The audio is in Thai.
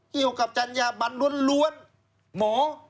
เกี่ยวกับจันยาบัญล้วนหมอ